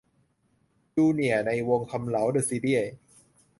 'จูเนียร์' ใน 'วงษ์คำเหลา เดอะซีรี่ส์'